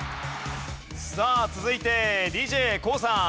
さあ続いてＤＪＫＯＯさん。